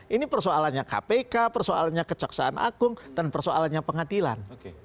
ini persoalannya kpk persoalannya kejaksaan agung dan persoalannya pengadilan